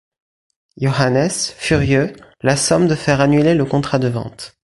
Johannes, furieux, la somme de faire annuler le contrat de vente.